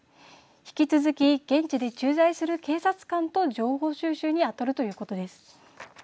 引き続き現地で駐在する警察官と情報収集にあたるということです。